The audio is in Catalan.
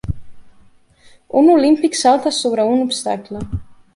Un olímpic salta sobre un obstacle